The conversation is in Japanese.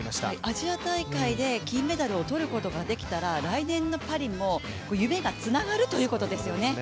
アジア大会で金メダルを取ることができたら来年のパリにも夢がつながるということですよね。